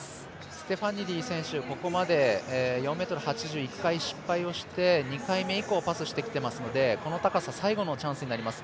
ステファニディ選手、ここまで４０ｍ８０、１回目を失敗して２回目以降、パスしてきてますのでこの高さ最後のチャンスになります。